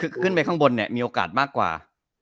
คือขึ้นไปข้างบนเนี่ยมีโอกาสมากกว่า